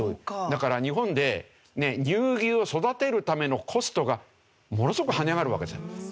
だから日本で乳牛を育てるためのコストがものすごく跳ね上がるわけですね。